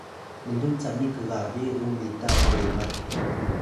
mluw cami kgabi ru mita bbengah